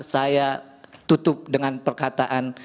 saya tutup dengan perkataan